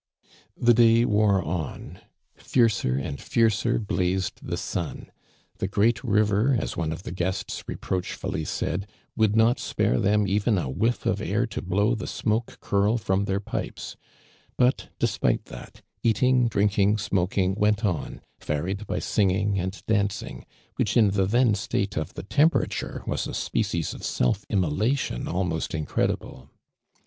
The day wore on. Fiercer and licrcer blazed the sun; the great river, as one of the gues ts reproachfully said, would not ^pare them even a whift" of air to blow the smoke cuil from their pipes ; but, despite that, eating, drinking, smoking, went on, varied by singing and ilancing, which in the then state of the temperature was a species of self immolation almost incredible.